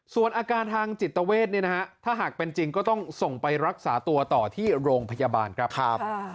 ส่วนอาการทางจิตเวทเนี่ยนะฮะถ้าหากเป็นจริงก็ต้องส่งไปรักษาตัวต่อที่โรงพยาบาลครับ